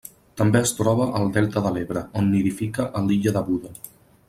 També es troba al Delta de l'Ebre, on nidifica a l'illa de Buda.